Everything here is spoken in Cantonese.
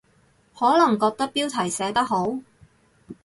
可能覺得標題寫得好